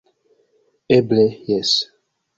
- Eble, jes!